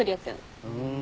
ふん。